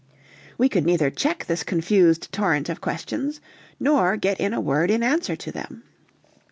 We could neither check this confused torrent of questions, nor get in a word in answer to them.